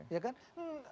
itu kan manusia